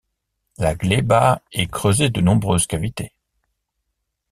La gleba est creusée de nombreuses cavités.